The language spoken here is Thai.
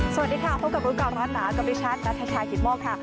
สวัสดีค่ะพบกับรูปกรรมรัฐหนากบริชันนัทชายถิ่นโมกค่ะ